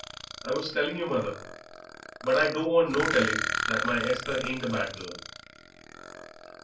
"I was telling you, mother " "But I don't want no telling that my Esther ain't a bad girl."